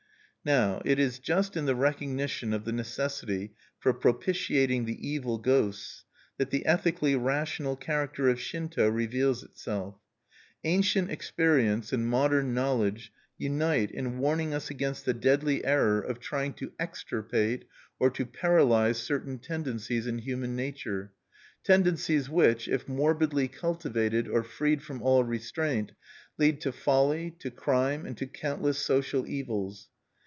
Now it is just in the recognition of the necessity for propitiating the evil ghosts that the ethically rational character of Shinto reveals itself. Ancient experience and modern knowledge unite in warning us against the deadly error of trying to extirpate or to paralyze certain tendencies in human nature, tendencies which, if morbidly cultivated or freed from all restraint, lead to folly, to crime, and to countless social evils.